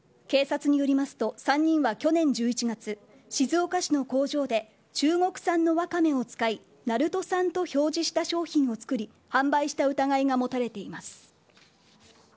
警察によりますと、３人は去年１１月、静岡市の工場で中国産のわかめを使い、鳴戸産と表示した商品を作り、販売した疑いが持たれています。